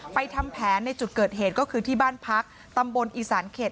ทำแผนในจุดเกิดเหตุก็คือที่บ้านพักตำบลอีสานเขต